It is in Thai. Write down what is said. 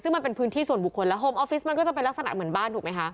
ซึ่งมันเป็นพื้นที่ส่วนบุคคลแล้วโฮมออฟฟิศมันก็จะเป็นลักษณะเหมือนบ้านถูกไหมคะ